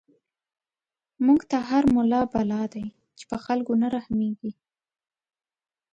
موږ ته هر ملا بلا دی، چی په خلکو نه رحميږی